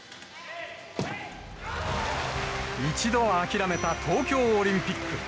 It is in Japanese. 一度は諦めた東京オリンピック。